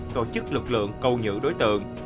tổ chức lực lượng câu nhữ đối tượng